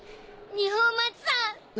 二本松さん！